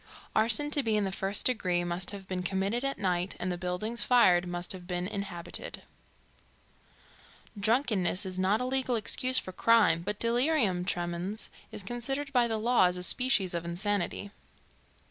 Arson to be in the first degree must have been committed at night and the buildings fired must have been inhabited. Drunkenness is not a legal excuse for crime, but delirium tremens is considered by the law as a species of insanity.